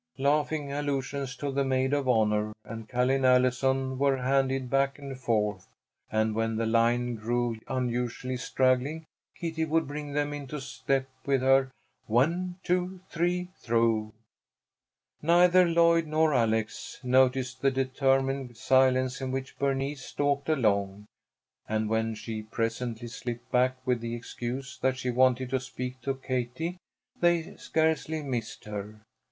Laughing allusions to the maid of honor and Ca'line Allison were bandied back and forth, and when the line grew unusually straggling, Kitty would bring them into step with her, "One, two, three throw!" Neither Lloyd nor Alex noticed the determined silence in which Bernice stalked along, and when she presently slipped back with the excuse that she wanted to speak to Katie, they scarcely missed her.